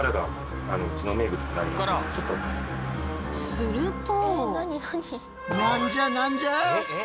すると。